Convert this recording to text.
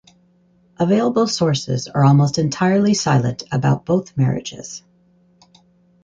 Available sources are almost entirely silent about both marriages.